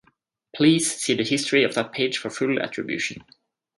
Please see the history of that page for full attribution.